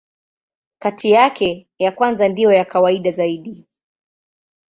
Kati yake, ya kwanza ndiyo ya kawaida zaidi.